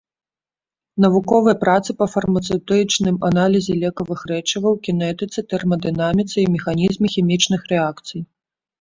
Навуковыя працы па фармацэўтычным аналізе лекавых рэчываў, кінетыцы, тэрмадынаміцы і механізме хімічных рэакцый.